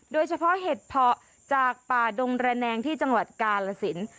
โดยเฉพาะเห็ดเผาจากป่าดงแรแนงที่จังหวัดกาหลสิน